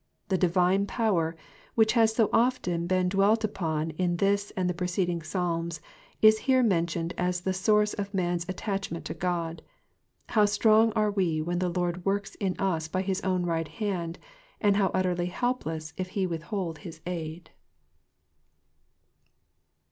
The divine power, which has so often been dwelt upon in this and the preceding Psalms, Ls here mentioned as the source of man's attachment to God. How strong are we when the Lord works in us by his own right hand, and how utterly helpless if he withhold his aid